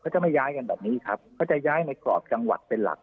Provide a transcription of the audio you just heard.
จะไม่ย้ายกันแบบนี้ครับเขาจะย้ายในกรอบจังหวัดเป็นหลัก